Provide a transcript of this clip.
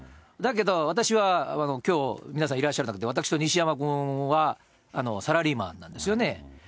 だけど、私はきょう、皆さんいらっしゃる中で、私と西山君はサラリーマンなんですよね。